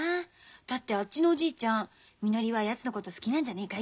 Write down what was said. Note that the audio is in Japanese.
だってあっちのおじいちゃんみのりはやつのこと好きなんじゃねえかい？